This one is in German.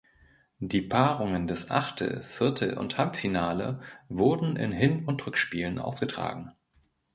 Die Paarungen des Achtel-, Viertel- und Halbfinale wurden in Hin- und Rückspielen ausgetragen.